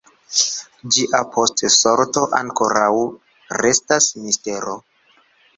Ĝia posta sorto ankoraŭ restas mistero.